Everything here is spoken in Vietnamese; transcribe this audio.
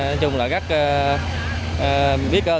nói chung là rất biết ơn